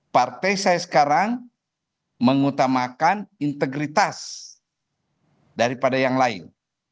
partai saya sekarang mengutamakan integritas daripada yang lain